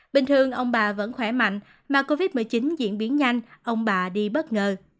bình thường ông bà vẫn khỏe mạnh mà covid một mươi chín diễn biến nhanh ông bà đi bất ngờ